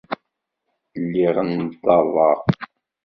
Lliɣ nḍerreɣ.